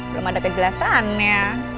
belum ada kejelasannya